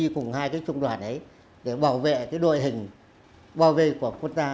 cùng hai trung đoàn ấy để bảo vệ đội hình bảo vệ của quân ta